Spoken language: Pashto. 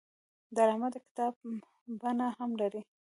ډرامه د کتاب بڼه هم لري